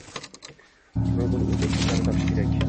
Rubl o'z ildizini topishi kerak